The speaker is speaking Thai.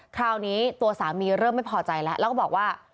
คราวนี้ตัวสามีเริ่มไม่พอใจแล้วแล้วก็บอกว่า